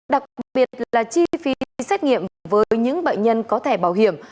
đặc biệt là chi phí xét nghiệm với những bệnh nhân có thẻ bảo hiểm